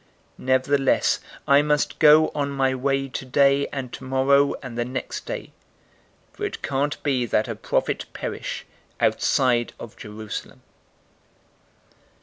013:033 Nevertheless I must go on my way today and tomorrow and the next day, for it can't be that a prophet perish outside of Jerusalem.'